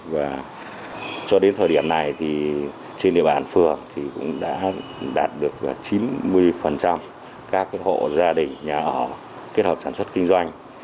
và cho đến thời điểm này thì trên địa bàn phường thì cũng đã đạt được chín mươi các hộ gia đình nhà ở kết hợp sản xuất kinh doanh